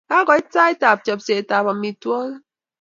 Kakoit sait ap chopset ap amitwogik.